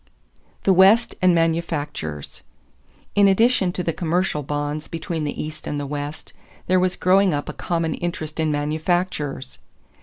=The West and Manufactures.= In addition to the commercial bonds between the East and the West there was growing up a common interest in manufactures.